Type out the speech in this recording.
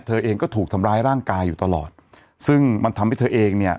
เธอเองก็ถูกทำร้ายร่างกายอยู่ตลอดซึ่งมันทำให้เธอเองเนี่ย